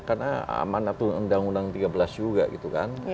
karena aman atau undang undang tiga belas juga gitu kan